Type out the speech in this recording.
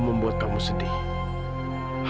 membuat kamu sedih